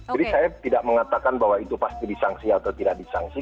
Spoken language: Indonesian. jadi saya tidak mengatakan bahwa itu pasti disanksi atau tidak disanksi